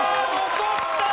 残った！